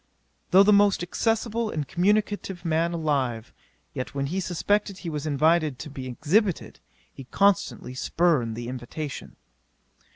'Though the most accessible and communicative man alive; yet when he suspected he was invited to be exhibited, he constantly spurned the invitation.